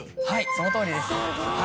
はいそのとおりです。